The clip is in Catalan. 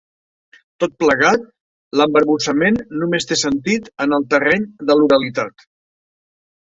Tot plegat, l'embarbussament només té sentit en el terreny de l'oralitat.